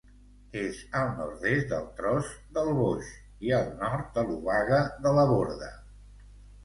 És al nord-est del Tros del Boix i al nord de l'Obaga de la Borda.